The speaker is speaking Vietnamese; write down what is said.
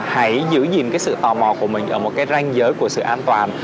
hãy giữ gìn cái sự tò mò của mình ở một cái ranh giới của sự an toàn